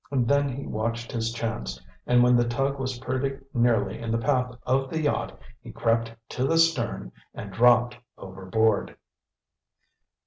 Then he watched his chance, and when the tug was pretty nearly in the path of the yacht, he crept to the stern and dropped overboard.